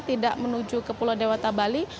tidak menuju ke pulau dewata bali